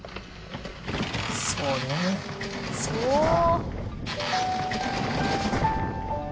そうねそうだ。